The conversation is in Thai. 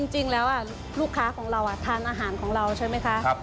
จริงแล้วลูกค้าของเราทานอาหารของเราใช่ไหมคะ